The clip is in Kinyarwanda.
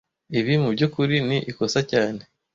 Ibi, mubyukuri, ni ikosa cyane